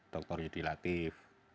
dr yudi latif